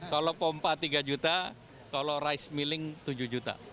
kalau pompa rp tiga kalau rice milling rp tujuh